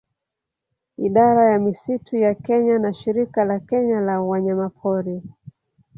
Idara ya misitu ya Kenya na Shirika la Kenya la Wanyamapori